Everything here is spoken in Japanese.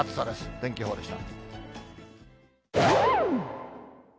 天気予報でした。